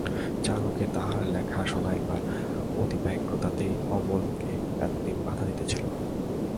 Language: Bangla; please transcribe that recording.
চারুকে তাহার লেখা শোনাইবার অতিব্যগ্রতাতেই অমলকে এতদিন বাধা দিতেছিল।